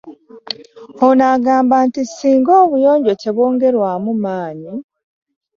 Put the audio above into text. Ono agamba nti singa obuyonjo tebwongerwamu maanyi